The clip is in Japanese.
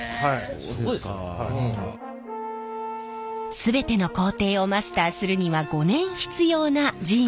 全ての工程をマスターするには５年必要なジーンズの縫製。